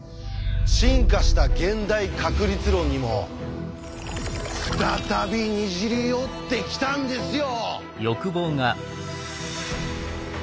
進化した現代確率論にも再びにじり寄ってきたんですよ！